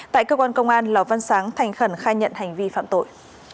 tại cơ quan công an lò văn sáng thành khẩn khai nhận hành vi phạm tội